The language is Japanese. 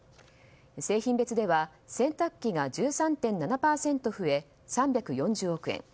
製品別では洗濯機が１３．７％増え３４０億円